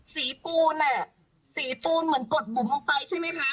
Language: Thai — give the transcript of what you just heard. ปูนแหละสีปูนเหมือนกดปุ่มออกไปใช่ไหมคะ